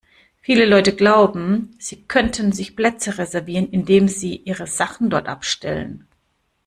Viele Leute glauben, sie könnten sich Plätze reservieren, indem sie ihre Sachen dort abstellen.